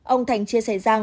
ông thành chia sẻ rằng